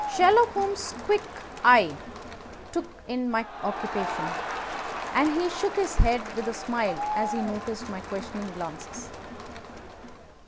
Sherlock Holmes' quick eye took in my occupation, and he shook his head with a smile as he noticed my questioning glances.